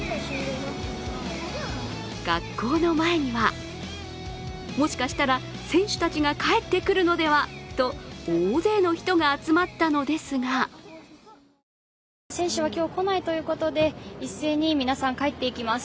学校の前には、もしかしたら選手たちが帰ってくるのではと大勢の人が集まったのですが選手は今日来ないということで、一斉に皆さん、帰っていきます。